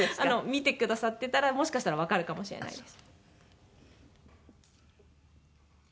見てくださっていたらもしかしたらわかるかもしれないです。